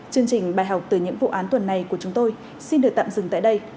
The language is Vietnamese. chương trình bài học từ những vụ án tuần này của chúng tôi xin được tạm dừng tại đây